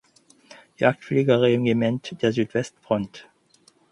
Jagdfliegerregiment der Südwestfront.